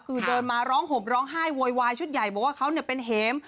คือเดินมาร้องห่มร้องไห้โวยวายชุดใหญ่บอกว่าเขาเป็นเห็ม